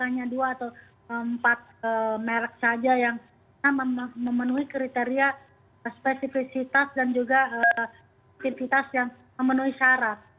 hanya dua atau empat merek saja yang memenuhi kriteria spesifisitas dan juga aktivitas yang memenuhi syarat